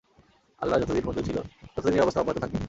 আল্লাহর যতদিন মঞ্জুর ছিল ততদিন এ অবস্থা অব্যাহত থাকে।